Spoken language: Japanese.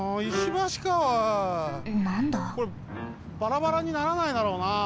これバラバラにならないだろうな？